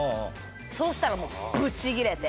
そしたらもうブチギレて。